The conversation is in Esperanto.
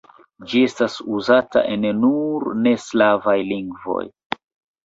Ĝi estas uzata en nur ne slavaj lingvoj.